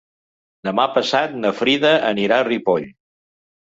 Demà passat na Frida anirà a Ripoll.